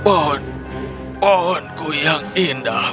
ini pohonku yang indah